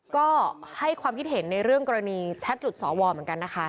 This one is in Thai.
ก็ให้ความคิดเห็นในเรื่องกรณีแชทหลุดสวเหมือนกันนะคะ